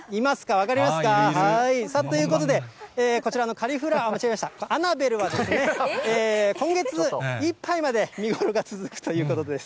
分かりますか。ということで、こちらのカリフラワー、間違えました、アナベルはですね、今月いっぱいまで見頃が続くということです。